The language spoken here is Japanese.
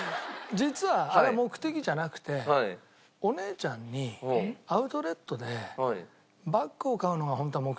実はあれは目的じゃなくてお姉ちゃんにアウトレットでバッグを買うのがホントは目的だったんですよ。